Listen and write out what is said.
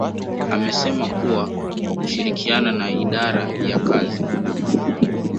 amesema kuwa kwa kushirikiana na idara ya kazi